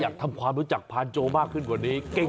อยากทำความรู้จักพานโจมากขึ้นกว่านี้